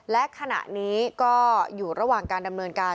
และขณะนี้ก็อยู่ระหว่างการดำเนินการ